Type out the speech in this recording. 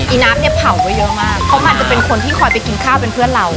น้ำเนี่ยเผาไว้เยอะมากเพราะมันจะเป็นคนที่คอยไปกินข้าวเป็นเพื่อนเรา